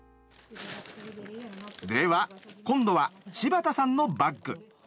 では今度は柴田さんのバッグ。